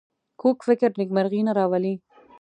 کوږ فکر نېکمرغي نه راولي